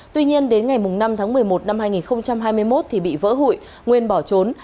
tuy nhiên đến ngày năm tháng một mươi một năm hai nghìn hai mươi một thì bị vỡ hụi nguyên bỏ trốn